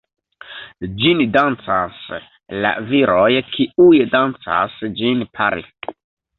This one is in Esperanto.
Ĝin dancas la viroj, kiuj dancas ĝin pare.